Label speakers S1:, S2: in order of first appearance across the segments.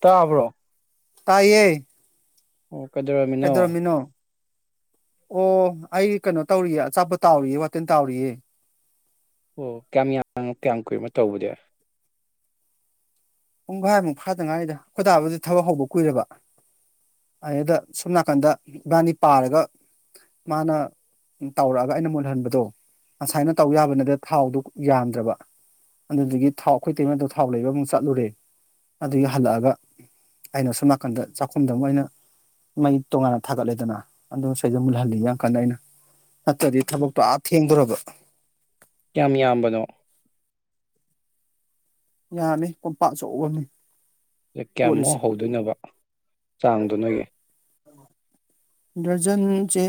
S1: ꯇꯥꯕ꯭ꯔꯣ
S2: ꯇꯥꯏꯌꯦ
S1: ꯑꯣ ꯀꯩꯗꯧꯔꯝ___
S2: ꯀꯩꯗꯧꯔꯝꯃꯤꯅꯣ ꯑꯣ ꯑꯩ ꯀꯩꯅꯣ ꯇꯧꯔꯤꯌꯦ ꯑꯆꯥꯄꯣꯠ ꯇꯥꯎꯔꯤꯌꯦ ꯋꯥꯇꯤꯜ ꯇꯥꯎꯔꯤꯌꯦ꯫
S1: ꯑꯣ ꯀꯌꯥꯝ ꯌꯥꯝ ꯀꯌꯥꯝ ꯀꯨꯏꯔꯅꯣ ꯇꯧꯕꯗꯤ?
S2: ꯄꯨꯡꯒꯥꯏꯃꯨꯛ ꯐꯥꯗ ꯉꯥꯏꯔꯤꯗ ꯈꯣꯏꯗꯥꯕꯨꯗꯤ ꯊꯕꯛ ꯍꯧꯕ ꯀꯨꯏꯔꯕ꯫ ꯑꯗꯩꯗ ꯁꯣꯝ ꯅꯥꯀꯟꯗ ꯏꯕꯥꯅꯤ ꯄꯥꯔꯒ ꯃꯥꯅ ꯇꯧꯔꯛꯑꯒ ꯑꯩꯅ ꯃꯨꯟꯍꯟꯕꯗꯣ ꯉꯁꯥꯏꯅ ꯇꯧ ꯌꯥꯕꯅꯤꯗ ꯊꯥꯎꯗꯨ ꯌꯥꯝꯗ꯭ꯔꯕ꯫ ꯑꯗꯨꯗꯨꯒꯤ ꯊꯥꯎ ꯑꯩꯈꯣꯏ ꯏꯇꯩꯃꯗꯣ ꯊꯥꯎ ꯂꯩꯕ ꯑꯃꯨꯛ ꯆꯠꯂꯨꯔꯦ꯫ ꯑꯗꯨꯒꯤ ꯍꯜꯂꯛꯑꯒ ꯑꯩꯅ ꯁꯣꯝ ꯅꯥꯀꯟꯗ ꯆꯥꯛꯈꯨꯝꯗ ꯑꯃꯨꯛ ꯑꯩꯅ ꯃꯩ ꯇꯣꯉꯥꯟꯅ ꯊꯥꯒꯠꯂꯦꯗꯅ ꯑꯗꯣ ꯁꯩꯗ ꯃꯨꯜꯍꯜꯂꯤ ꯌꯥꯝ ꯀꯟꯅ ꯑꯩꯅ꯫ ꯅꯠꯇ꯭ꯔꯗꯤ ꯊꯕꯛꯇꯣ ꯑꯥ ꯊꯦꯡꯗꯣꯔꯕ꯫
S1: ꯀꯌꯥꯝ ꯌꯥꯝꯕꯅꯣ?
S2: ꯌꯥꯝꯃꯤ ꯀꯣꯝꯄꯥꯛ ꯑꯆꯧꯕ ꯑꯃꯅꯤ꯫
S1: ꯀ
S2: ꯇꯣꯠꯂꯤꯁꯦ
S1: ꯀꯌꯥꯃꯨꯛ ꯍꯧꯗꯣꯏꯅꯣꯕ ꯆꯥꯡꯗꯣ ꯅꯣꯏꯒꯤ
S2: ꯗꯔꯖꯟ ꯆꯦ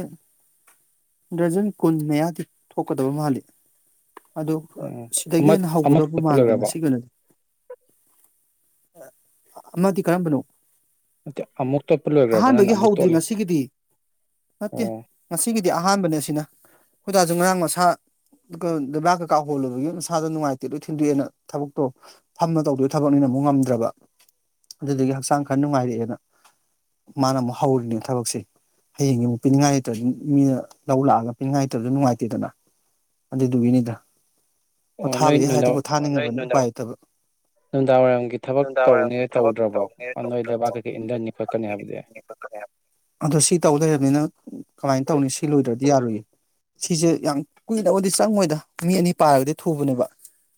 S2: ꯗ꯭ꯔꯖꯟ ꯀꯨꯟ ꯃꯌꯥꯗꯤ ꯊꯣꯛꯀꯗꯕ ꯃꯥꯜꯂꯤ꯫ ꯑꯗꯨ
S1: ꯎꯝ
S2: ꯁꯤꯗꯒꯤ
S1: ꯑꯃ
S2: ꯍꯦꯟꯅ
S1: ꯑꯃ
S2: ꯍꯧꯒꯗꯧꯕ
S1: ꯇꯣꯠꯄ
S2: ꯃꯥꯟꯗꯦ
S1: ꯂꯣꯏꯈ꯭ꯔꯕꯣ
S2: ꯉꯁꯤꯒꯤ ꯑꯣꯏꯅꯗꯤ꯫ ꯑ ꯑꯃꯗꯤ ꯀꯔꯝꯕꯅꯣ?
S1: ꯅꯠꯇꯦ ꯑꯃꯨꯛ ꯇꯣꯠꯄ ꯂꯣꯏꯈ꯭ꯔꯕ ꯅꯪꯅ
S2: ꯑꯍꯥꯟꯕꯒꯤ
S1: ꯑꯃꯨꯛ
S2: ꯍꯧꯗ꯭ꯔꯤ
S1: ꯇꯣꯠꯂꯤ
S2: ꯉꯁꯤꯒꯤꯗꯤ꯫ ꯅꯠꯇꯦ
S1: ꯑꯣ
S2: ꯉꯁꯤꯒꯤꯗꯤ ꯑꯍꯥꯟꯕꯅꯦ ꯑꯁꯤꯅ ꯈꯪꯏꯗꯥꯖꯨ ꯉꯔꯥꯡ ꯃꯁꯥ ꯂꯩꯕꯥꯛ ꯀꯩꯀꯥ ꯍꯣꯜꯂꯨꯕꯒꯤ ꯃꯁꯥꯗꯣ ꯅꯨꯡꯉꯥꯏꯇꯦ ꯂꯣꯏ ꯊꯤꯟꯗꯣꯛꯑꯦꯅ ꯊꯕꯛꯇꯣ ꯐꯝꯃ ꯇꯧꯗꯣꯏ ꯊꯕꯛꯅꯤꯅ ꯑꯃꯨꯛ ꯉꯝꯗ꯭ꯔꯕ ꯑꯗꯨꯗꯨꯒꯤ ꯍꯛꯆꯥꯡ ꯈꯔ ꯅꯨꯡꯉꯥꯏꯔꯛꯑꯦꯅ꯫ ꯃꯥꯅ ꯑꯃꯨꯛ ꯍꯧꯔꯤꯅꯦ ꯊꯕꯛꯁꯦ꯫ ꯍꯌꯦꯡꯒꯤ ꯑꯃꯨꯛ ꯄꯤꯅꯤꯡꯉꯥꯏ ꯂꯩꯇ꯭ꯔꯥꯗꯤ ꯃꯤꯅ ꯂꯧ ꯂꯥꯛꯑꯒ ꯄꯤꯅꯤꯡꯉꯥꯏ ꯂꯩꯇ꯭ꯔꯥꯗꯤ ꯅꯨꯡꯉꯥꯏꯇꯦꯗꯅ꯫ ꯑꯗꯨꯗꯨꯒꯤꯅꯤꯗ
S1: ꯑꯣ ꯅꯣꯏ
S2: ꯄꯣꯊꯥꯕꯒꯤ ꯍꯥꯏꯔꯗꯤ
S1: ꯅꯨꯡꯗꯥꯡ
S2: ꯄꯣꯊꯥꯅꯤꯡꯉꯕꯅꯤ ꯎꯄꯥꯏ ꯂꯩꯇꯕ
S1: ꯅꯨꯡꯗꯥꯡ ꯋꯥꯏꯔꯝꯒꯤ ꯊꯕꯛ ꯇꯧꯅꯤ ꯇꯧꯗ꯭ꯔꯕꯣ ꯅꯣꯏ ꯂꯩꯕꯥꯛ ꯀꯩꯀꯩ ꯏꯟꯙꯅꯤ ꯈꯣꯠꯀꯅꯤ ꯍꯥꯏꯕꯗꯤ꯫
S2: [unintelligible] ꯑꯗꯣ ꯁꯤ ꯇꯧ ꯂꯩꯔꯝꯅꯤꯅ ꯀꯃꯥꯏꯅ ꯇꯧꯅꯤ ꯁꯤ ꯂꯣꯏꯗ꯭ꯔꯗꯤ ꯌꯥꯔꯣꯏꯌꯦ꯫ ꯁꯤꯁꯦ ꯌꯥꯝ ꯀꯨꯏꯅꯕꯕꯨꯗꯤ ꯆꯪꯉꯣꯏꯗ ꯃꯤ ꯑꯅꯤ ꯄꯥꯔꯒꯗꯤ ꯊꯨꯕꯅꯦꯕ꯫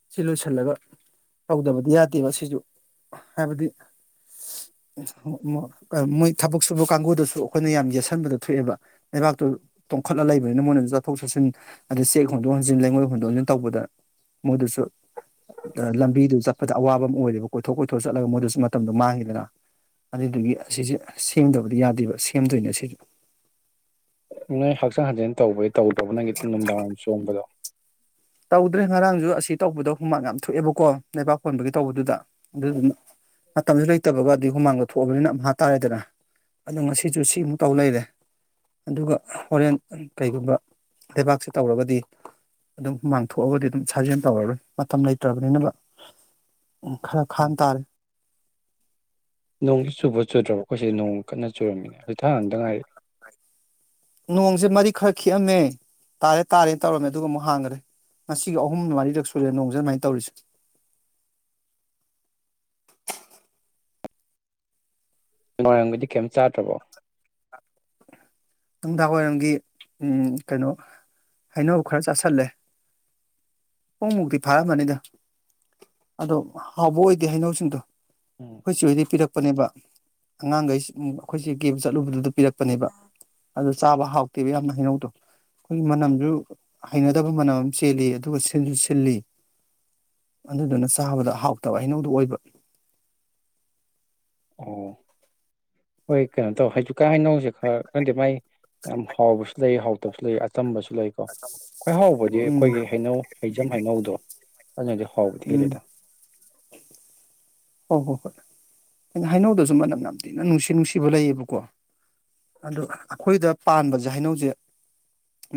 S2: ꯁꯤ ꯂꯣꯏꯁꯤꯜꯂꯒ ꯇꯧꯗꯕꯗꯤ ꯌꯥꯗꯦꯕ ꯁꯤꯁꯨ ꯍꯥꯏꯕꯗꯤ ꯃꯣꯏ ꯊꯕꯛ ꯁꯨꯕ ꯀꯥꯡꯒꯨꯗꯨꯁꯨ ꯑꯩꯈꯣꯏꯅ ꯌꯥꯝ ꯌꯦꯠꯁꯤꯟꯕꯗꯣ ꯊꯣꯛꯑꯦꯕ ꯂꯩꯕꯥꯛꯇꯨ ꯇꯣꯡꯈꯠꯂ ꯂꯩꯕꯅꯤꯅ ꯃꯣꯏꯅꯁꯨ ꯆꯠꯊꯣꯛ ꯆꯠꯁꯤꯟ ꯑꯗꯨ ꯆꯦꯛ ꯍꯣꯟꯗꯣꯛ ꯍꯣꯟꯖꯤꯟ ꯂꯩꯉꯣꯏ ꯍꯣꯟꯗꯣꯛ ꯍꯣꯟꯖꯤꯟ ꯇꯧꯕꯗ ꯃꯣꯏꯗꯁꯨ ꯑ ꯂꯝꯕꯤꯗꯨ ꯆꯠꯄꯗ ꯑꯋꯥꯕ ꯑꯃ ꯑꯣꯏꯔꯦꯕ ꯀꯣꯏꯊꯣꯛ ꯀꯣꯏꯊꯣꯛ ꯆꯠꯂꯒ ꯃꯣꯏꯗꯁꯨ ꯃꯇꯝꯗꯣ ꯃꯥꯡꯉꯤꯗꯅ꯫ ꯑꯗꯨꯏꯗꯨꯒꯤ ꯑꯁꯤꯁꯦ ꯁꯦꯝꯗꯕꯗꯤ ꯌꯥꯗꯦꯕ ꯁꯦꯝꯗꯣꯏꯅꯦ ꯑꯁꯤ
S1: ꯅꯣꯏ ꯍꯛꯆꯥꯡ ꯁꯥꯖꯦꯟ ꯇꯧꯕꯩ ꯇꯧꯗ꯭ꯔꯕꯣ ꯅꯪꯒꯤ ꯅꯨꯡꯗꯥꯡꯋꯥꯏꯔꯝ ꯆꯣꯡꯕꯗꯣ
S2: ꯇꯧꯗ꯭ꯔꯦ ꯉꯔꯥꯡꯁꯨ ꯑꯁꯤ ꯇꯧꯕꯗꯣ ꯍꯨꯃꯥꯡ ꯌꯥꯝ ꯊꯣꯛꯑꯦꯕꯀꯣ ꯂꯩꯕꯥꯛ ꯍꯣꯟꯕꯒꯤ ꯇꯧꯕꯗꯨꯗ ꯑꯗꯨꯗꯨꯅ ꯃꯇꯝꯁꯨ ꯂꯩꯇꯕꯒ ꯑꯗꯩ ꯍꯨꯃꯥꯡꯗꯣ ꯊꯣꯛꯑꯕꯅꯤꯅ ꯑꯝꯍꯥ ꯇꯥꯔꯦꯗꯅ ꯑꯗꯣ ꯉꯁꯤꯁꯨ ꯁꯤ ꯑꯃꯨꯛ ꯇꯧ ꯂꯩꯔꯦ ꯑꯗꯨꯒ ꯍꯣꯔꯦꯟ ꯀꯩꯒꯨꯝꯕ ꯂꯩꯕꯥꯛꯁꯦ ꯇꯧꯔꯒꯗꯤ ꯑꯗꯨꯝ ꯍꯨꯃꯥꯡ ꯊꯣꯛꯑꯒꯗꯤ ꯑꯗꯨꯝ ꯁꯥꯖꯦꯜ ꯇꯧꯔꯔꯣꯏ ꯃꯇꯝ ꯂꯩꯇ꯭ꯔꯕꯅꯤꯅ ꯎꯝ ꯈꯔ
S1: ꯑꯣ
S2: ꯈꯥꯡ ꯇꯥꯔꯦ
S1: ꯅꯣꯡꯗꯤ ꯆꯨꯕ ꯆꯨꯗ꯭ꯔꯕꯣ ꯑꯈꯣꯏꯁꯤ ꯅꯣꯡ ꯀꯟꯅ ꯆꯨꯔꯝꯃꯤꯅꯤ ꯍꯧꯖꯤꯛꯇ ꯍꯥꯡꯗ ꯉꯥꯏꯔꯤ
S2: ꯅꯣꯡꯁꯦ ꯃꯔꯤꯛ ꯈꯔ ꯈꯤꯛꯑꯝꯃꯦ ꯇꯥꯔꯦ ꯇꯥꯔꯦꯅ ꯇꯧꯔꯝꯃꯦ ꯑꯗꯨꯒ ꯑꯃꯨꯛ ꯍꯥꯡꯈ꯭ꯔꯦ ꯉꯁꯤꯒꯤ ꯑꯍꯨꯝ ꯃꯔꯤꯔꯛ ꯁꯨꯔꯦ ꯅꯣꯡꯖꯦ ꯑꯗꯨꯃꯥꯏꯅ ꯇꯧꯔꯤꯁꯦ
S1: ꯅꯨꯡꯗꯥꯡꯋꯥꯏꯔꯝꯒꯤꯗꯤ ꯀꯩꯝ ꯆꯥꯗ꯭ꯔꯕꯣ
S2: ꯅꯨꯡꯗꯥꯡꯋꯥꯏꯔꯝꯒꯤ ꯎꯝ ꯀꯩꯅꯣ ꯍꯩꯅꯧ ꯈꯔ ꯆꯥꯥꯁꯜꯂꯦ ꯄꯨꯡꯃꯨꯛꯇꯤ ꯐꯥꯔꯝꯃꯅꯤꯗ ꯑꯗꯣ ꯍꯥꯎꯕ ꯑꯣꯏꯗꯦ ꯍꯩꯅꯧꯁꯤꯡꯗꯣ
S1: ꯎꯝ
S2: ꯏꯆꯦ ꯍꯣꯏꯗꯩ ꯄꯤꯔꯛꯄꯅꯦꯕ ꯑꯉꯥꯡꯈꯩ ꯑꯩꯈꯣꯏꯆꯦ ꯀꯦꯕ ꯆꯠꯂꯨꯕꯗꯨꯗ ꯄꯤꯔꯛꯄꯅꯦꯕ ꯑꯗꯨ ꯆꯥꯕ ꯍꯥꯎꯇꯦꯕ ꯌꯥꯝꯅ ꯍꯩꯅꯧꯗꯣ ꯃꯅꯝꯁꯨ ꯍꯩꯅꯗꯕ ꯃꯅꯝ ꯑꯃ ꯆꯦꯜꯂꯤꯌꯦ ꯑꯗꯨꯒ ꯁꯤ ꯁꯤꯟꯁꯨ ꯁꯤꯜꯂꯤ ꯑꯗꯨꯗꯨꯅ ꯆꯥꯕꯗ ꯍꯥꯎꯇꯕ ꯍꯩꯅꯧꯗꯨ ꯑꯣꯏꯕ
S1: ꯑꯣ ꯍꯣꯏ ꯀꯩꯅꯣ ꯇꯧ ꯍꯧꯖꯤꯀꯥꯟ ꯍꯩꯅꯧꯁꯦ ꯈꯔ ꯈꯪꯗꯦ ꯃꯥꯏ ꯌꯥꯝ ꯍꯥꯎꯕꯁꯨ ꯂꯩ ꯍꯥꯎꯇꯕꯁꯨ ꯂꯩ ꯑꯆꯝꯕꯁꯨ ꯂꯩꯀꯣ ꯈꯋ꯭ꯥꯏ ꯍꯥꯎꯕꯗꯤ
S2: ꯎꯝ
S1: ꯑꯩꯈꯣꯏꯒꯤ ꯍꯩꯅꯧ ꯍꯩꯖꯝ ꯍꯩꯅꯧꯗꯣ ꯑꯗꯨꯅꯗꯤ ꯍꯥꯎꯕꯗꯤ
S2: ꯎꯝ
S1: ꯍꯦꯜꯂꯤꯗ
S2: [inaudible] ꯍꯣꯏ ꯍꯣꯏ ꯍꯣꯏ ꯍꯩꯅꯧꯗꯁꯨ ꯃꯅꯝ ꯌꯥꯝ ꯊꯤꯅ ꯅꯨꯡꯁꯤ ꯅꯨꯡꯁꯤꯕ ꯂꯩꯌꯦꯕꯀꯣ ꯑꯗꯨ ꯑꯩꯈꯣꯏꯗ ꯄꯥꯟꯕꯁꯦ ꯍꯩꯅꯧꯁꯦ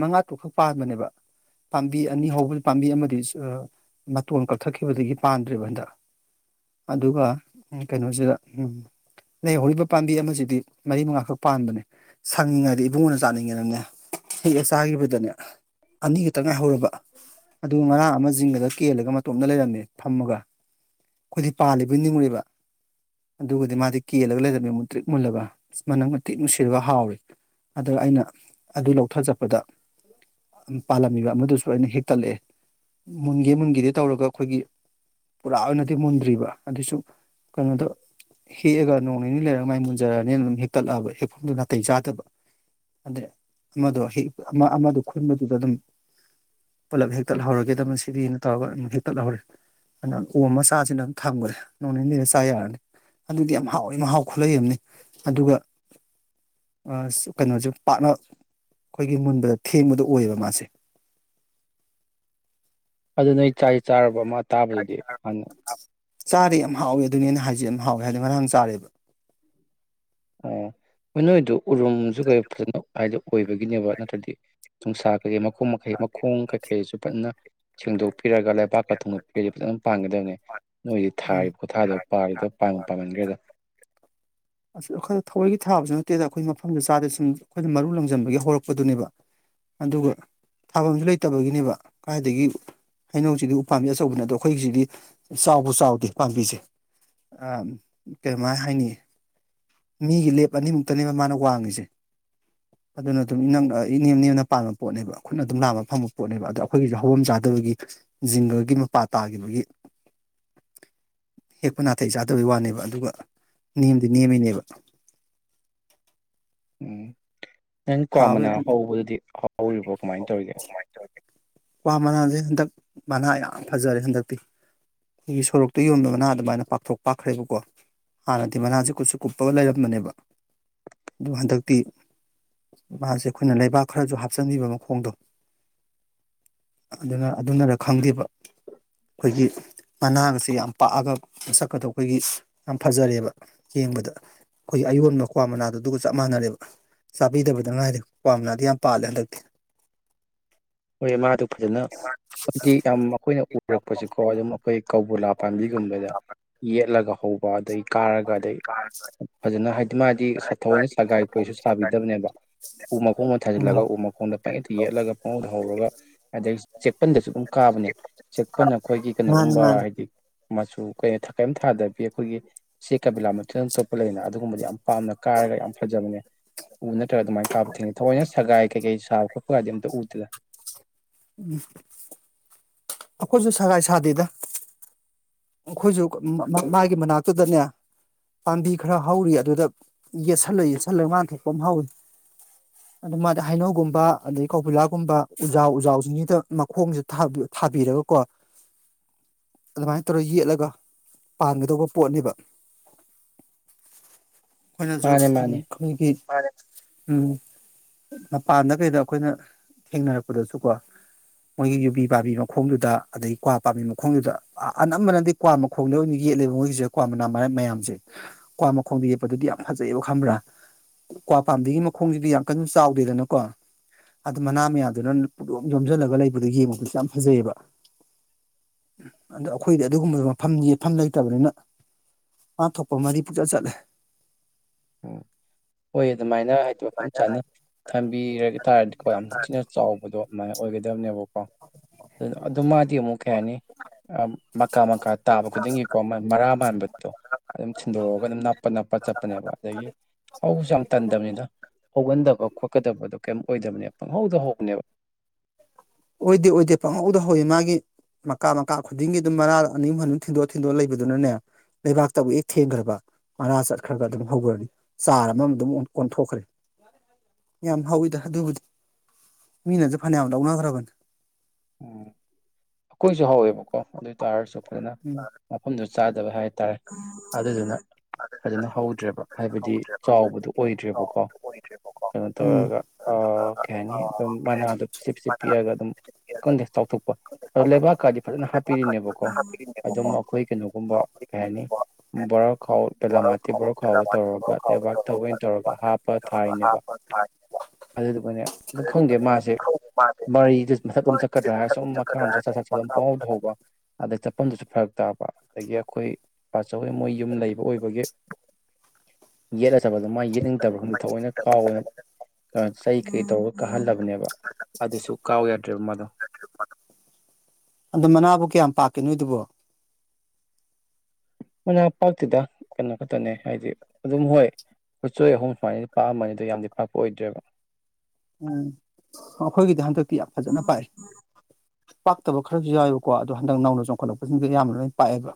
S2: ꯃꯉꯥ ꯇꯔꯨꯛꯈꯛ ꯄꯥꯟꯕꯅꯦꯕ ꯄꯥꯝꯕꯤ ꯑꯅꯤ ꯍꯧꯕꯗ ꯄꯥꯝꯕꯤ ꯑꯃꯗꯤ ꯑ ꯃꯇꯣꯟ ꯀꯛꯊꯛꯈꯤꯕꯗꯒꯤ ꯄꯥꯟꯗ꯭ꯔꯦꯕ ꯍꯟꯗꯛ ꯑꯗꯨꯒ ꯀꯩꯅꯣꯁꯤꯗ ꯎꯝ ꯂꯩꯍꯧꯔꯤꯕ ꯄꯥꯝꯕꯤ ꯑꯃꯁꯤꯗꯤ ꯃꯔꯤ ꯃꯉꯥꯈꯛ ꯄꯥꯟꯕꯅꯦ ꯁꯪꯅꯤꯡꯉꯥꯏꯗ ꯏꯕꯨꯡꯉꯣꯅ ꯆꯥꯅꯤꯡꯉꯦꯅꯅꯦ ꯍꯦꯛꯑ ꯆꯥꯒꯤꯕꯗꯅꯦ ꯑꯅꯤ ꯈꯛꯇꯪ ꯉꯥꯏꯍꯧꯔꯕ ꯑꯗꯨꯒ ꯉꯔꯥꯡ ꯑꯃ ꯖꯤꯡꯒꯗ ꯀꯦꯜꯂꯒ ꯃꯇꯣꯝꯇ ꯂꯩꯔꯝꯃꯦ ꯐꯝꯃꯒ ꯑꯩꯈꯣꯏꯗꯤ ꯄꯥꯜꯂꯤꯕꯣꯏ ꯅꯤꯡꯉꯨꯔꯤꯕ ꯑꯗꯨꯒꯗꯤ ꯃꯥꯗꯤ ꯀꯦꯜꯂꯒ ꯂꯩꯔꯝꯃꯦ ꯃꯨꯟꯇ꯭ꯔꯤꯛ ꯃꯨꯜꯂꯒ ꯃꯅꯝꯒ ꯊꯤ ꯅꯨꯡꯁꯤꯔꯒ ꯍꯥꯎꯔꯦ ꯑꯗ ꯑꯩꯅ ꯑꯗꯨ ꯂꯧꯊ ꯆꯠꯄꯗ ꯄꯥꯜꯂꯝꯃꯤꯕ ꯑꯃꯗꯨꯁꯨ ꯑꯩꯅ ꯍꯦꯛꯇꯠꯂꯛꯑꯦ ꯃꯨꯟꯒꯦ ꯃꯨꯟꯒꯦꯗꯤ ꯇꯧꯔꯒ ꯑꯩꯈꯣꯏꯒꯤ ꯄꯨꯔꯥ ꯑꯣꯏꯅꯗꯤ ꯃꯨꯟꯗ꯭ꯔꯤꯕ ꯑꯗꯨꯁꯨ ꯀꯩꯅꯣꯗꯣ ꯍꯦꯛꯑꯒ ꯅꯣꯡꯅꯤꯅꯤ ꯂꯩꯔꯒ ꯃꯥꯏ ꯃꯨꯖꯔꯛꯑꯅꯦꯅ ꯑꯗꯨꯝ ꯍꯦꯛꯇꯠꯂꯛꯑꯕ ꯍꯦꯛꯐꯝꯗꯨ ꯅꯥꯇꯩ ꯆꯥꯗꯕ ꯑꯗꯩ ꯑꯃꯗꯣ ꯍꯦꯛ ꯑꯃ ꯑꯃꯗꯣ ꯈꯨꯟꯕꯗꯨꯗ ꯑꯗꯨꯝ ꯄꯨꯜꯂꯞ ꯍꯦꯛꯇꯠꯍꯧꯔꯒꯦꯗꯕ ꯃꯁꯤꯗꯤꯅ ꯇꯧꯔꯒ ꯑꯗꯨꯝ ꯍꯦꯛꯇꯠꯍꯧꯔꯦ ꯑꯗꯨꯅ ꯑꯣꯝꯃꯥ ꯆꯥꯁꯤꯅ ꯊꯝꯈ꯭ꯔꯦ ꯅꯣꯡꯅꯤꯅꯤꯗ ꯆꯥ ꯌꯥꯔꯅꯤ ꯑꯗꯨꯗꯤ ꯌꯥꯝ ꯍꯥꯎꯋꯤ ꯃꯍꯥꯎ ꯈꯨꯂꯩꯑꯃꯅꯤ ꯑꯗꯨꯒ ꯀꯩꯅꯣꯁꯦ ꯄꯥꯛꯅ ꯑꯩꯈꯣꯏꯒꯤ ꯃꯨꯟꯕꯗ ꯊꯦꯡꯕꯗꯣ ꯑꯣꯏꯌꯦꯕ ꯃꯥꯁꯦ
S1: ꯑꯗꯨ ꯅꯣꯏ ꯆꯥꯗꯤ ꯆꯥꯔꯕ ꯑꯃ ꯇꯥꯕꯗꯨꯗꯤ ꯍꯥꯟꯅ
S2: ꯆꯥꯔꯦ ꯌꯥꯝ ꯍꯥꯎꯋꯦ ꯑꯗꯨꯅꯦ ꯑꯩꯅ ꯍꯥꯏꯁꯦ ꯌꯥꯝ ꯍꯥꯎꯋꯦ ꯍꯥꯏꯗꯤ ꯉꯔꯥꯡ ꯆꯥꯔꯦ
S1: ꯑꯥ ꯅꯣꯏꯗꯨ ꯎꯔꯨꯝꯁꯨ ꯀꯩ ꯐꯖꯅ ꯍꯥꯏꯗ ꯑꯣꯏꯕꯒꯤꯅꯦꯕ ꯅꯠꯇ꯭ꯔꯗꯤ ꯅꯨꯡꯁꯥ ꯀꯩꯀꯩ ꯃꯈꯣꯡ ꯃꯈꯩ ꯃꯈꯣꯡ ꯀꯩ ꯀꯩꯁꯨ ꯐꯖꯅ ꯁꯦꯡꯗꯣꯛꯄꯤꯔꯒ ꯂꯩꯄꯥꯛꯥꯛꯀ ꯊꯣꯡꯒꯠꯄꯤꯔꯗꯤ ꯐꯖꯅ ꯄꯥꯟꯒꯗꯕꯅꯤ ꯅꯣꯏꯗꯤ
S2: ꯎꯝ
S1: ꯊꯥꯔꯤ ꯈꯨꯊꯥꯗꯨ ꯄꯥꯜꯂꯤꯗꯣ ꯄꯥꯟꯕꯨ ꯄꯥꯟꯃꯟꯒ꯭ꯔꯦꯗ
S2: ꯑꯁ ꯑꯩꯈꯣꯏꯅ ꯊꯧꯋꯥꯏꯒꯤ ꯊꯥꯕꯁꯨ ꯅꯠꯇꯦꯗ ꯑꯩꯈꯣꯏ ꯃꯐꯝꯗ ꯆꯥꯗꯦ ꯁꯨꯝ ꯑꯩꯈꯣꯏꯅ ꯃꯔꯨ ꯂꯪꯖꯟꯕꯒꯤ ꯍꯧꯔꯛꯄꯗꯨꯅꯦꯕ ꯑꯗꯨꯒ ꯊꯥꯐꯝꯁꯨ ꯂꯩꯇꯕꯒꯤꯅꯦꯕ ꯀꯥꯏꯗꯒꯤ ꯍꯩꯅꯧꯁꯤꯗꯤ ꯎꯄꯥꯝꯕꯤ ꯑꯆꯧꯕꯅꯤ ꯑꯗꯣ ꯑꯩꯈꯣꯏꯁꯤꯗꯤ ꯆꯥꯎꯕꯨ ꯆꯥꯎꯗꯦ ꯄꯥꯝꯕꯤꯁꯦ ꯑꯥ ꯀꯩꯃꯥꯏꯟ ꯍꯥꯏꯅꯤ ꯃꯤꯒꯤ ꯂꯦꯞ ꯑꯅꯤꯃꯨꯛꯇꯅꯦꯕ ꯃꯥꯅ ꯋꯥꯡꯉꯤꯁꯤ ꯑꯗꯨꯅ ꯑꯗꯨꯝ ꯏ ꯅꯪꯅ ꯏꯅꯤꯌꯝ ꯅꯅꯤꯌꯝꯅ ꯑꯗꯨꯅ ꯑꯗꯨꯝ ꯏꯅꯦꯝ ꯅꯦꯝꯕ ꯄꯥꯟꯕ ꯄꯣꯠꯅꯦꯕ ꯈꯨꯠꯅ ꯑꯗꯨꯝ ꯂꯥꯝꯕ ꯐꯪꯕ ꯄꯣꯠꯅꯦꯕ ꯑꯗꯣ ꯑꯩꯈꯣꯏꯒꯤꯁꯤ ꯍꯧꯚꯝ ꯆꯥꯗꯕꯒꯤ ꯖꯤꯡꯒꯔꯒꯤ ꯃꯄꯥ ꯇꯥꯈꯤꯕꯒꯤ ꯍꯦꯛꯄ ꯅꯥꯇꯩꯩ ꯆꯥꯗꯕꯩ ꯋꯥꯅꯦꯕ ꯑꯗꯨꯒ ꯅꯦꯝꯗꯤ ꯅꯦꯝꯃꯤꯅꯦꯕ
S1: ꯎꯝ ꯅꯪ ꯀ꯭ꯋꯥ
S2: ꯍꯥꯎꯋꯦ
S1: ꯃꯅꯥ
S2: ꯑꯗꯨꯗꯤ
S1: ꯍꯧꯕꯗꯨꯗꯤ ꯍꯧꯔꯤꯕꯣ ꯀꯃꯥꯏꯟ ꯇꯧꯔꯤꯒꯦ
S2: ꯀ꯭ꯋꯥ ꯃꯅꯥꯁꯦ ꯍꯟꯗꯛ ꯃꯅꯥ ꯌꯥꯝ ꯐꯥꯖꯔꯦ ꯍꯟꯗꯛꯇꯤ ꯑꯩꯈꯣꯏꯒꯤ ꯁꯣꯔꯣꯛꯇ ꯌꯦꯡꯉꯨꯗꯅ ꯑꯗꯨꯃꯥꯏꯅ ꯄꯥꯛꯊꯣꯛ ꯄꯥꯛꯈ꯭ꯔꯦꯕꯀꯣ ꯍꯥꯟꯅꯗꯤ ꯃꯅꯥꯁꯦ ꯀꯨꯁꯨꯞ ꯀꯨꯞꯄꯒ ꯂꯩꯔꯝꯕꯅꯦꯕ ꯑꯗꯨ ꯍꯟꯗꯛꯇꯤ ꯃꯥꯁꯦ ꯑꯩꯈꯣꯏꯅ ꯂꯩꯕꯥꯛ ꯈꯔꯁꯨ ꯍꯥꯞꯆꯤꯟꯕꯤꯕ ꯃꯈꯣꯡꯗꯣ ꯑꯗꯨꯅ ꯑꯗꯨꯅꯔ ꯈꯜꯂꯤꯕ ꯑꯩꯈꯣꯏꯒꯤ ꯃꯅꯥꯒꯁꯦ ꯌꯥꯝ ꯄꯥꯛꯑꯒ ꯃꯁꯛꯀꯗꯨ ꯑꯩꯈꯣꯏꯒꯤ ꯌꯥꯝ ꯐꯥꯖꯔꯦꯕ ꯌꯦꯡꯕꯗ ꯑꯩꯈꯣꯏꯒꯤ ꯑꯌꯣꯟꯕ ꯀ꯭ꯋꯥ ꯃꯅꯥꯗꯨ ꯑꯗꯨꯒ ꯆꯞ ꯃꯥꯟꯅꯔꯦ ꯆꯥꯕꯤꯗꯕꯗ ꯉꯥꯏꯔꯦ ꯀ꯭ꯋꯥ ꯃꯅꯥꯗꯤ ꯌꯥꯝ ꯄꯥꯜꯂꯦ ꯍꯟꯗꯛꯇꯤ
S1: ꯍꯣꯏꯌꯦ ꯃꯥꯗꯤ ꯐꯖꯅ ꯍꯥꯏꯗꯤ ꯌꯥꯝ ꯑꯩꯈꯣꯏꯅ ꯎꯔꯛꯄꯁꯤꯀꯣ ꯑꯗꯨꯝ ꯑꯩꯈꯣꯏ ꯀꯧꯕꯤꯂꯥ ꯄꯥꯝꯕꯤꯒꯨꯝꯕꯗ ꯌꯦꯠꯂꯒ ꯍꯧ ꯀꯣ ꯑꯗꯩ ꯀꯥꯔꯒ ꯑꯗꯩ ꯐꯖꯅ ꯍꯥꯏꯗꯤ ꯃꯥꯗꯤ ꯁꯥ ꯊꯧꯑꯣꯏꯅ ꯁꯒꯥꯏ ꯀꯩꯁꯨ ꯁꯥꯕꯤꯗꯝꯅꯦꯕ ꯎ ꯃꯈꯣꯡꯗ ꯊꯥꯖꯤꯜꯂꯒ
S2: ꯎꯝ
S1: ꯎ ꯃꯈꯣꯡꯗ ꯄꯪꯌꯦꯠꯇ ꯌꯦꯠꯂꯒ ꯄꯪꯍꯧꯗ ꯍꯧꯔꯒ ꯑꯗꯩ ꯆꯦꯛꯄꯟꯗꯁꯨ ꯑꯗꯨꯝ ꯀꯥꯕꯅꯤ ꯆꯦꯛꯄꯟ ꯑꯩꯈꯣꯏꯒꯤ
S2: ꯃꯥꯅꯤ
S1: ꯀꯩꯅꯣꯒꯨꯝꯕ
S2: ꯃꯥꯅꯤ
S1: ꯍꯥꯏꯗꯤ ꯃꯆꯨ ꯀꯩꯅꯣ ꯀꯤꯝ ꯊꯥꯗꯕꯤ ꯑꯩꯈꯣꯏꯒꯤ ꯆꯦꯛꯀ ꯕꯤꯂꯥꯟꯄꯥꯇꯤꯒ ꯇꯣꯞꯄ ꯂꯩꯅ ꯑꯗꯨꯒꯨꯝꯕꯗ ꯌꯥꯝ ꯄꯥꯝꯅ ꯀꯥꯔꯒ ꯌꯥꯝ ꯐꯖꯕꯅꯦ ꯎ ꯅꯠꯇ꯭ꯔꯒ ꯑꯗꯨꯃꯥꯏꯟ ꯀꯥꯕ ꯊꯦꯡꯅꯩ ꯊꯧꯑꯣꯏꯅ ꯁꯒꯥꯏ ꯀꯩꯀꯩ ꯁꯥꯕ ꯈꯣꯠꯄꯒꯗꯤ ꯑꯝꯇ ꯎꯗꯦꯗ
S2: ꯎꯝ ꯑꯩꯈꯣꯏꯁꯨ ꯁꯒꯥꯏ ꯁꯥꯗꯦꯗ ꯑꯩꯈꯣꯏꯁꯨ ꯃꯥꯒꯤ ꯃꯅꯥꯛꯇꯨꯗꯅꯦ ꯄꯥꯝꯕꯤ ꯈꯔ ꯍꯧꯔꯤ ꯑꯗꯨꯗ ꯌꯦꯠꯁꯜꯂ ꯌꯦꯠꯁꯜꯂ ꯃꯥꯟ ꯊꯣꯛꯄ ꯑꯝ ꯍꯧꯏ ꯑꯗꯥ ꯃꯥꯗꯤ ꯍꯩꯅꯧꯒꯨꯝꯕ ꯑꯗꯩ ꯀꯧꯕꯤꯂꯥꯒꯨꯝꯕ ꯎꯖꯥꯎ ꯎꯖꯥꯎꯁꯤꯡꯁꯤꯗ ꯃꯈꯣꯡꯁꯦ ꯊꯥꯕꯤꯔꯒꯀꯣ ꯑꯗꯨꯃꯥꯥꯏꯟ ꯇꯧꯔꯒ ꯌꯦꯠꯂꯒ ꯄꯥꯟꯒꯗꯧꯕ ꯄꯣꯠꯅꯦꯕ ꯑꯩꯈꯣꯏꯅꯁꯨ
S1: ꯃꯥꯅꯦ
S2: ꯎꯝ
S1: ꯃꯥꯅꯦ
S2: ꯑꯣꯏꯒꯤ, ꯄꯥꯏꯔꯦ ꯎꯝ ꯃꯄꯥꯟꯗ ꯀꯩꯗ ꯑꯩꯈꯣꯏꯅ ꯊꯦꯡꯅꯔꯛꯄꯗꯁꯨ ꯀꯣ ꯃꯣꯏꯒꯤ ꯌꯨꯕꯤ ꯄꯥꯝꯕꯤ ꯃꯈꯣꯡꯗꯨꯗ ꯑꯗꯩ ꯀ꯭ꯋꯥ ꯄꯥꯝꯕꯤ ꯃꯈꯣꯡꯗꯨꯗ ꯑꯅꯝꯕꯅꯗꯤ ꯀ꯭ꯋꯥ ꯃꯈꯣꯡꯗ ꯑꯣꯏꯅ ꯌꯦꯠꯂꯦꯕ ꯃꯣꯏꯒꯤꯁꯤ ꯀ꯭ꯋꯥ ꯃꯅꯥ ꯃꯌꯥꯝꯁꯦ ꯀ꯭ꯋꯥ ꯃꯈꯣꯡꯗ ꯌꯦꯛꯄꯗꯨꯗꯤ ꯌꯥꯝ ꯐꯖꯩꯌꯦꯕ ꯈꯪꯕ꯭ꯔꯥ ꯀ꯭ꯋꯥ ꯄꯥꯝꯕꯤꯒꯤ ꯃꯈꯣꯡꯁꯤꯗꯤ ꯌꯥꯝ ꯀꯟꯅ ꯆꯥꯎꯗꯦꯗꯅꯀꯣ ꯑꯗꯨ ꯃꯅꯥ ꯃꯌꯥꯝꯗꯨꯅ ꯄꯨꯌꯣꯝ ꯌꯣꯝꯖꯤꯜꯂꯒ ꯂꯩꯕꯗꯨ ꯌꯦꯡꯕꯗꯨꯁꯨ ꯌꯥꯝ ꯐꯖꯩꯌꯦꯕ ꯑꯗꯣ ꯑꯩꯈꯣꯏꯗꯤ ꯑꯗꯨꯒꯨꯝꯕ ꯃꯐꯝ ꯌꯦꯠꯕꯝ ꯂꯩꯇꯕꯅꯤꯅ ꯃꯥꯟ ꯊꯣꯛꯄ ꯃꯥꯔꯤ ꯄꯨꯆꯠ ꯆꯠꯂꯦ
S1: ꯎꯝ ꯍꯣꯏ ꯑꯗꯨꯃꯥꯏꯅ ꯍꯥꯏꯗꯤ ꯃꯐꯝ ꯆꯥꯅ ꯊꯝꯕꯤꯔ ꯇꯥꯔꯗꯤꯀꯣ ꯌꯥꯝꯊꯤꯅ ꯆꯥꯎꯕꯗꯣ ꯑꯗꯨꯃꯥꯏꯟ ꯑꯣꯏꯒꯗꯧꯅꯦꯕꯀꯣ ꯑꯗꯨ ꯃꯥꯗꯤ ꯑꯃꯨꯛ ꯀꯩ ꯍꯥꯏꯅꯤ ꯑ ꯃꯀꯥ ꯃꯀꯥ ꯇꯥꯕ ꯈꯨꯗꯤꯡꯒꯤꯀꯣ ꯃꯔꯥ ꯃꯥꯟꯕꯗꯣ꯫ ꯑꯗꯨꯝ ꯁꯤꯟꯗꯣꯛꯑꯒ ꯑꯗꯨꯝ ꯅꯞꯄ ꯅꯞꯄ ꯆꯠꯄꯅꯦꯕ ꯑꯗꯒꯤ ꯍꯧꯕꯁꯨ ꯌꯥꯝ ꯇꯟꯗꯕꯅꯤꯗ ꯍꯧꯒꯟꯗꯕ ꯈꯣꯠꯀꯗꯕꯗꯣ ꯀꯩꯝ ꯑꯣꯏꯗꯕꯅꯦ ꯄꯪꯍꯧꯗꯣ ꯍꯧꯕꯅꯦꯕ꯫
S2: ꯑꯣꯏꯗꯦ ꯑꯣꯏꯗꯦ ꯄꯪꯍꯧꯗ ꯍꯧꯋꯤ ꯃꯥꯒꯤ꯫ ꯃꯀꯥ ꯃꯀꯥ ꯈꯨꯗꯤꯡꯒꯤ ꯑꯗꯨꯝ ꯃꯔꯥ ꯑꯅꯤ ꯑꯍꯨꯝ ꯑꯅꯤꯍꯨꯝ ꯊꯤꯟꯗꯣꯛ ꯊꯤꯟꯗꯣꯛꯑ ꯂꯩꯕꯗꯨꯅꯅꯦ꯫ ꯂꯩꯕꯥꯛꯇꯕꯨ ꯍꯦꯛ ꯊꯦꯡꯒꯔ꯭ꯕ꯫ ꯃꯔꯥ ꯆꯠꯈ꯭ꯔꯒ ꯑꯗꯨꯝ ꯍꯧꯒꯔ꯭ꯅꯤ ꯆꯥꯔ ꯑꯃꯃꯝ ꯑꯗꯨꯝ ꯑꯣꯟꯊꯣꯛꯈ꯭ꯔꯦ꯫ ꯌꯥꯝ ꯍꯧꯋꯤꯗ ꯑꯗꯨꯕꯨꯗꯤ ꯃꯤꯅꯖꯨ ꯐꯅꯌꯥꯝ ꯂꯧꯅꯈ꯭ꯔꯕꯅꯤ꯫
S1: ꯑꯣ ꯑꯩꯈꯣꯏꯖꯨ ꯍꯧꯋꯦꯕꯀꯣ ꯑꯗꯨ ꯑꯣꯏꯇꯥꯔꯁꯨ ꯐꯖꯅ
S2: ꯎ [unintelligible]
S1: ꯃꯐꯝꯗꯨ ꯆꯥꯗꯕ ꯍꯥꯏꯇꯥꯔꯦ ꯑꯗꯨꯗꯨꯅ ꯐꯖꯅ ꯍꯧꯗ꯭ꯔꯦꯕ ꯍꯥꯏꯕꯗꯤ ꯆꯥꯎꯕꯗꯨ ꯑꯣꯏꯗ꯭ꯔꯦꯕꯀꯣ ꯀꯩꯅꯣ
S2: ꯎꯝ
S1: ꯇꯧꯔꯒ ꯑ ꯀꯩ ꯍꯥꯏꯅꯤ ꯑꯗꯨꯝ ꯃꯅꯥꯗꯣ ꯄꯁꯤ ꯄꯤꯁꯤ ꯄꯤꯑꯒ ꯑꯗꯨꯝ꯫ ꯈꯪꯗꯦ ꯆꯥꯎꯊꯣꯛꯄ ꯑꯗꯣ ꯂꯩꯕꯥꯛꯀꯗꯤ ꯐꯖꯅ ꯍꯥꯞꯄꯤꯔꯤꯅꯦꯕꯀꯣ꯫ ꯑꯗꯨꯝ ꯑꯈꯣꯏ ꯀꯩꯅꯣꯒꯨꯝꯕ ꯀꯩ ꯍꯥꯏꯅꯤ꯫ ꯕꯣꯔꯥ ꯈꯥꯎ ꯄꯦꯂꯥꯃꯥꯇꯤ ꯕꯣꯔꯥ ꯈꯥꯎꯗꯣ ꯇꯧꯔꯒ ꯂꯩꯕꯥꯛ ꯊꯧꯑꯣꯏ ꯇꯧꯔꯒ ꯍꯥꯞ ꯂꯨꯄꯥ ꯊꯥꯔꯤꯅꯦꯕ ꯑꯗꯨꯗꯨꯒꯅꯦ ꯑꯗꯨ ꯈꯪꯗꯦ ꯃꯥꯁꯦ ꯃꯔꯩꯗ ꯃꯊꯛꯇꯨꯝ ꯆꯠꯀꯗ꯭ꯔꯥ ꯍꯥꯏꯔ ꯁꯨꯝ ꯃꯈꯥ ꯔꯣꯝ ꯆꯠꯊ ꯆꯠꯊ ꯗꯨꯝ ꯄꯍꯧꯗ ꯍꯧꯕ꯫ ꯑꯗ ꯆꯠꯐꯝꯗꯁꯨ ꯐꯔꯛ ꯇꯥꯕ ꯗꯒꯤ ꯑꯈꯣꯏ ꯄꯥꯆꯧꯍꯣꯏ ꯃꯣꯏ ꯌꯨꯝ ꯂꯩꯕ ꯑꯣꯏꯕꯒꯤ꯫ ꯌꯦꯠꯂ ꯆꯠꯕꯗꯣ ꯃꯥꯏ ꯌꯦꯠꯅꯤꯡꯇꯕꯔ꯭ ꯈꯪꯗꯦ ꯊꯑꯣꯏꯅ ꯀꯥꯎꯋꯦ ꯆꯩ ꯀꯩꯀꯩ ꯇꯧꯔꯒ ꯀꯥꯍꯜꯂꯕꯅꯦꯕ꯫ ꯑꯗꯨꯁꯨ ꯀꯥꯎ ꯌꯥꯗ꯭ꯔꯦꯕ ꯃꯥꯗꯣ꯫
S2: ꯑꯗꯨ ꯃꯅꯥꯕꯨ ꯀꯌꯥꯝ ꯄꯥꯛꯀꯦ ꯅꯣꯏꯗꯨꯕꯨ꯫
S1: ꯝꯅꯥ ꯄꯥꯛꯇꯦꯗ ꯀꯩꯅꯣ ꯈꯠꯇꯅꯦ ꯍꯥꯏꯗꯤ ꯑꯗꯨꯝ ꯍꯣꯏ꯫ ꯈꯨꯠꯆꯣꯏ ꯑꯍꯨꯝ ꯁꯨꯃꯥꯏꯅꯗꯤ ꯄꯥꯛꯑꯝꯕꯃꯅꯤ ꯗꯣ ꯌꯥꯝꯗꯤ ꯄꯥꯛꯄ ꯑꯣꯏꯗ꯭ꯔꯦꯕ꯫
S2: ꯎꯝ ꯑ ꯈꯣꯏꯒꯤꯗꯤ ꯍꯟꯗꯛꯇꯤ ꯌꯥꯝ ꯐꯖꯅ ꯄꯥꯛꯏ ꯫ ꯄꯥꯛꯇꯕ ꯈꯔꯖꯨ ꯌꯥꯎꯋꯦꯕꯀꯣ ꯑꯗꯣ ꯍꯟꯗꯛ ꯅꯧꯅ ꯆꯣꯡꯈꯠꯂꯛꯄꯁꯤꯡꯖꯦ ꯑꯌꯥꯝꯅ ꯂꯣꯏꯅ ꯄꯥꯛꯑꯦꯕ꯫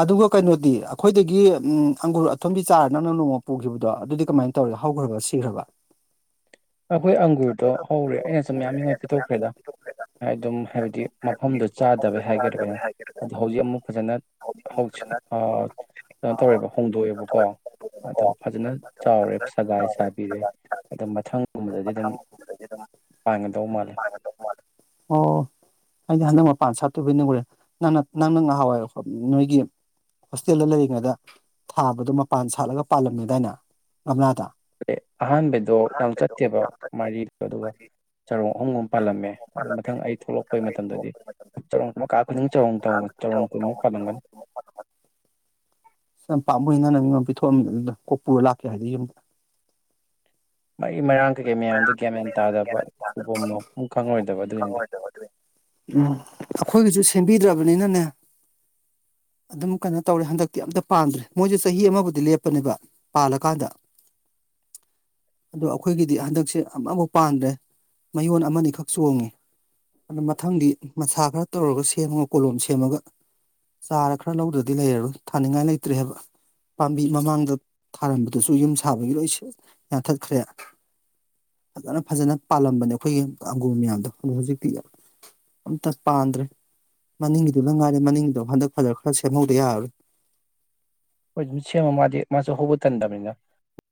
S2: ꯑꯗꯨꯒ ꯀꯩꯅꯣꯗꯤ ꯑꯈꯣꯏꯗꯒꯤ ꯎꯝ ꯑꯪꯒꯨꯔ ꯑꯊꯨꯝꯕꯤ ꯆꯥꯔ ꯅꯪꯅ ꯅꯣꯡꯃ ꯄꯨꯈꯤꯕꯗꯣ ꯑꯗꯨꯗꯤ ꯀꯃꯥꯏꯟ ꯇꯧꯔꯦ ꯍꯧꯈ꯭ꯔꯕ ꯁꯤꯈ꯭ꯔꯕ꯫
S1: ꯑꯩꯈꯣꯏ ꯑꯪꯒꯨꯔꯗꯣ ꯍꯧꯔꯦ ꯑꯩꯅꯁꯨ ꯃꯌꯥꯝ ꯃꯤꯉꯣꯟ ꯄꯤꯊꯣꯛꯈ꯭ꯔꯦꯗ꯫ ꯍꯥꯏ ꯑꯗꯨꯝ ꯍꯥꯏꯕꯗꯤ ꯃꯐꯝꯗꯨ ꯆꯥꯗꯕꯩ ꯍꯥꯏꯒꯦꯔꯥ ꯀꯩꯅꯣ ꯑꯗ ꯍꯧꯖꯤꯛ ꯑꯃꯨꯛ ꯐꯖꯅ ꯍꯧꯖꯤ ꯑꯥ ꯀꯩꯅꯣ ꯇꯧꯔꯦꯕ ꯍꯣꯡꯗꯣꯛꯑꯦꯕꯀꯣ꯫ ꯑꯗꯣ ꯐꯖꯅ ꯆꯥꯎꯔꯦ ꯁꯒꯥꯏ ꯁꯥꯕꯤꯔꯦ ꯑꯗꯣ ꯃꯊꯪ ꯃꯥꯜꯂꯦ
S2: [unintelligible] ꯑꯣ ꯑꯩꯗꯤ ꯍꯟꯗꯛ ꯃꯄꯥꯟ ꯁꯥꯠꯇꯣꯕꯣꯏ ꯅꯤꯡꯉꯨꯔꯦ ꯅꯪꯅ ꯅꯪꯅ ꯉꯍꯥꯋꯥꯏ ꯅꯣꯏꯒꯤ꯫ ꯍꯣꯁꯇꯦꯜꯗ ꯂꯩꯔꯤꯉꯩꯗ ꯊꯥꯕꯗꯣ ꯃꯄꯥꯟ ꯁꯥꯠꯂꯒ ꯄꯥꯜꯂꯝꯃꯦꯗꯥꯏꯅ ꯒꯝꯂꯥꯗ꯫
S1: ꯑꯍꯥꯟꯕꯩꯗꯣ ꯌꯥꯝ ꯆꯠꯇꯦꯕ ꯃꯔꯤꯗꯣ ꯑꯗꯨꯒ ꯆꯔꯣꯡ ꯑꯍꯨꯝꯒꯨꯝ ꯄꯥꯜꯂꯝꯃꯦ ꯑꯗꯨ ꯃꯊꯪ ꯑꯩ ꯊꯣꯛꯂꯛꯄꯩ ꯃꯇꯝꯗꯗꯤ ꯆꯔꯣꯡ ꯃꯀꯥ ꯈꯨꯗꯤꯡꯒꯤ ꯆꯔꯣꯡ ꯆꯔꯣꯡ ꯆꯔꯣꯡ ꯀꯨꯟꯃꯨꯛ ꯄꯥꯜꯂꯝꯒꯅꯤ꯫
S2: ꯁ ꯌꯥꯝ ꯄꯥꯝꯃꯨꯏ ꯅꯪꯅ ꯃꯤꯉꯣꯟ ꯄꯤꯊꯣꯛꯑꯝꯃꯤꯗꯣ ꯑꯗꯨꯗꯣ ꯀꯣꯛ ꯄꯨꯔ ꯂꯥꯛꯀꯦ ꯍꯥꯏꯗꯦ ꯌꯨꯝꯗ꯫
S1: ꯃꯔꯤ ꯃꯔꯥꯡ ꯀꯩꯀꯩ ꯃꯌꯥꯝꯗꯨ ꯒ꯭ꯌꯥꯟ ꯃꯦꯟ ꯇꯥꯗꯕ ꯄꯨꯕꯝ ꯂꯥꯛꯐꯝ ꯈꯪꯪꯉꯔꯣꯏꯗꯕ ꯑꯗꯨꯒꯤꯅꯤꯗ꯫
S2: ꯎꯝ ꯑꯈꯣꯏꯒꯤꯁꯨ ꯁꯦꯝꯕꯤꯗ꯭ꯔꯕꯅꯤꯅꯅꯦ꯫ ꯑꯗꯨꯝ ꯀꯩꯅꯣ ꯇꯧꯔꯦ ꯍꯟꯗꯛꯇꯤ ꯑꯝꯇ ꯄꯥꯟꯗ꯭ꯔꯦ ꯃꯣꯏꯖꯦ ꯆꯍꯤ ꯑꯃꯕꯨꯗꯤ ꯂꯦꯞꯄꯅꯦꯕ ꯄꯥꯜꯂꯀꯥꯟꯗ꯫ ꯑꯗꯣ ꯑꯈꯣꯏꯒꯤꯗꯤ ꯍꯟꯗꯛꯁꯦ ꯑꯃꯕꯨꯛ ꯄꯥꯟꯗ꯭ꯔꯦ꯫ ꯃꯌꯣꯟ ꯑꯃꯅꯤꯈꯛ ꯆꯣꯡꯉꯤ ꯫ ꯑꯗꯨꯗ ꯃꯊꯪꯗꯤ ꯃꯁꯥ ꯈꯔ ꯇꯧꯔꯒ ꯁꯦꯝꯃꯒ ꯀꯣꯂꯣꯝ ꯁꯦꯝꯃꯒ ꯆꯥꯔꯒ ꯈꯔ ꯂꯧꯗ꯭ꯔꯗꯤ ꯂꯩꯔꯔꯣꯢ ꯊꯥꯅꯤꯡꯉꯥꯢ ꯂꯩꯇ꯭ꯔꯦ ꯍꯥꯢꯕ ꯄꯥꯝꯕꯤ ꯃꯃꯥꯡꯗ ꯊꯥꯔꯝꯕꯗꯁꯨ ꯌꯨꯝ ꯁꯥꯕꯒꯤ ꯂꯣꯢ ꯁꯤ ꯌꯥꯟꯊꯠꯈ꯭ꯔꯦ ꯐꯖꯅ ꯐꯖꯅ ꯄꯥꯜꯂꯝꯕꯅꯦ ꯑꯩꯈꯣꯢꯒꯤ ꯑꯪꯒꯨꯔ ꯃꯌꯥꯝꯗꯣ ꯑꯗꯣ ꯍꯧꯖꯤꯛꯇꯤ ꯑꯝꯇ ꯄꯥꯟꯗ꯭ꯔꯦ ꯃꯅꯤꯡꯒꯤꯗꯨꯗ ꯉꯥꯏꯔꯦ ꯃꯅꯤꯡꯒꯤꯗꯣ ꯍꯟꯗꯛ ꯐꯖꯅ ꯈꯔ ꯁꯦꯝꯍꯧꯗ ꯌꯥꯔꯔꯣꯢ
S1: ꯍꯣꯢ ꯁꯦꯝꯃ ꯃꯥꯗꯤ ꯃꯥꯁꯨ ꯍꯧꯕ ꯇꯟꯗꯕꯅꯤꯅ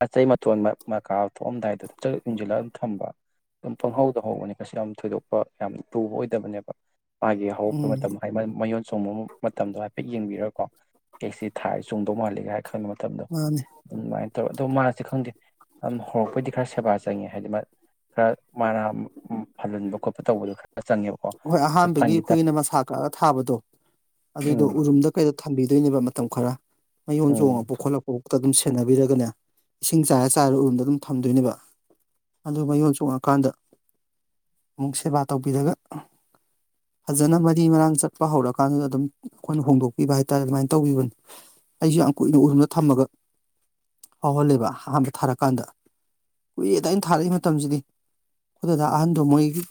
S1: ꯑꯇꯩ ꯃꯇꯣꯟ ꯃ ꯃꯀꯥ ꯊꯣꯛꯑꯝꯗꯥꯢꯗ ꯐꯖꯅ ꯎꯝꯖꯤꯜꯂ ꯊꯝꯕ ꯑꯗꯨꯝ ꯄꯪꯍꯧꯗ ꯍꯧꯕꯅꯤ ꯀꯁꯨ ꯌꯥꯝ ꯊꯣꯢꯗꯣꯛꯄ ꯌꯥꯝ ꯂꯨꯕ ꯑꯣꯢꯗꯕꯅꯦꯕ ꯃꯥꯒꯤ ꯍꯧꯔꯛꯄ
S2: ꯎꯝ
S1: ꯃꯇꯝꯗ ꯍꯥꯢꯕ ꯃꯌꯣꯟ ꯆꯣꯡꯕ ꯃꯇꯝꯗꯣ ꯍꯥꯢꯐꯦꯠ ꯌꯦꯡꯕꯤꯔꯒꯀꯣ ꯀꯦꯛꯁꯤ ꯊꯥꯢꯁ ꯆꯣꯡꯗꯧ ꯃꯥꯜꯂꯤ ꯍꯥꯢ ꯈꯪꯕ ꯃꯇꯝꯗ
S2: ꯃꯅꯦ
S1: ꯑꯗꯨꯃꯥꯢꯅ ꯇꯧꯔ ꯇꯣ ꯃꯥꯁꯦ ꯈꯪꯗꯦ ꯑꯃ ꯍꯧꯔꯛꯄꯩꯗꯤ ꯈꯔ ꯁꯦꯕꯥ ꯆꯪꯉꯦ ꯍꯥꯢꯗꯤ ꯃꯥ ꯈꯔ ꯃꯔꯥ ꯐꯜꯍꯟꯕ ꯈꯣꯠꯄ ꯇꯧꯕꯗꯣ ꯈꯔ ꯆꯪꯉꯦꯕ
S2: ꯍꯣꯢ ꯑꯍꯥꯟꯕꯒꯤ ꯑꯩꯈꯣꯢꯒꯤꯅ ꯃꯁꯥ ꯀꯛꯑꯒ ꯊꯥꯕꯗꯣ ꯑꯗꯨꯢꯗꯣ
S1: ꯎꯝ
S2: ꯎꯔꯨꯝꯗ ꯀꯩꯗ ꯊꯝꯕꯤꯗꯣꯢꯅꯦꯕ ꯃꯇꯝ ꯈꯔ ꯃꯌꯣꯟ
S1: ꯎꯝ
S2: ꯆꯣꯡꯉꯛꯄ ꯈꯣꯠꯂꯛ ꯑꯣꯛꯇ ꯑꯗꯨꯝ ꯁꯦꯟꯅꯕꯤꯔꯒꯅꯦ ꯏꯁꯤꯡ ꯆꯥꯢꯔ ꯆꯥꯢꯔ ꯎꯔꯨꯝꯗ ꯑꯗꯨꯝ ꯊꯝꯗꯣꯢꯅꯦꯕ ꯑꯗꯨ ꯃꯌꯣꯟ ꯆꯣꯡꯉꯀꯥꯟꯗ ꯑꯃꯨꯛ ꯁꯦꯕꯥ ꯇꯧꯕꯤꯔꯒ ꯐꯖꯅꯕꯗꯤ ꯃꯔꯥꯡ ꯆꯠꯄ ꯍꯧꯔꯀꯥꯟꯗꯨꯗ ꯑꯗꯨꯝ ꯑꯩꯈꯣꯢꯅ ꯍꯣꯡꯗꯣꯛꯄꯤꯕ ꯍꯥꯢꯇꯥꯔꯦ ꯑꯗꯨꯃꯥꯢꯅ ꯇꯧꯕꯤꯕꯅꯤ ꯑꯩꯁꯨ ꯌꯥꯝ ꯀꯨꯢꯅ ꯎꯔꯨꯝꯅ ꯊꯝꯃꯒ ꯍꯧꯍꯜꯂꯦꯕ ꯑꯍꯥꯟꯕ ꯊꯥꯔꯛꯀꯥꯟꯗ ꯀꯨꯏꯌꯦꯗ ꯑꯩꯅ ꯊꯥꯔꯛꯏ ꯃꯇꯝꯖꯤꯗꯤ ꯈꯨꯗꯗ ꯑꯍꯟꯗꯣ ꯃꯣꯢꯒꯤ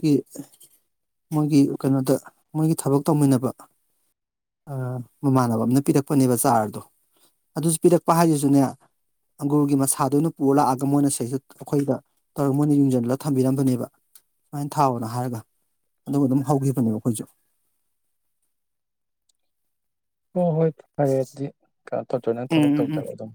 S2: ꯃꯣꯢꯒꯤ ꯀꯩꯅꯣꯗ ꯃꯣꯢꯒꯤ ꯊꯕꯛ ꯇꯧꯃꯤꯟꯅꯕ ꯑ ꯃꯃꯥꯟꯅꯕ ꯑ ꯑꯃꯅ ꯄꯤꯔꯛꯄꯅꯦꯕ ꯆꯥꯔꯗꯣ ꯑꯗꯨꯁꯨ ꯄꯤꯔꯛꯄ ꯍꯥꯢꯁꯤꯁꯨꯅꯦ ꯑꯪꯒꯨꯔꯒꯤ ꯃꯁꯥꯗ ꯑꯣꯢꯅ ꯄꯨꯔ ꯂꯥꯛꯑꯒ ꯃꯣꯢꯅ [unintelligible] ꯑꯩꯈꯣꯢꯗ ꯑ ꯃꯣꯢꯅ ꯌꯨꯡꯖꯜꯂꯒ ꯊꯝꯕꯤꯔꯝꯕꯅꯦꯕ ꯁꯨꯃꯥꯢꯅ ꯊꯥꯎꯑꯣꯅ ꯍꯥꯢꯔꯒ ꯑꯗꯨꯒ ꯑꯗꯨꯝ ꯍꯧꯒꯤꯕꯅꯦꯕ ꯑꯩꯈꯣꯢꯖꯨ
S1: ꯍꯣ ꯍꯣꯢ ꯐꯔꯦ ꯑꯗꯨꯗꯤ ꯀꯩꯅꯣ ꯇꯧꯖꯅꯣ
S2: ꯎꯝ
S1: ꯊꯕꯛ
S2: ꯎꯝ ꯎꯝ
S1: ꯇꯧꯖꯔ ꯑꯗꯨꯝ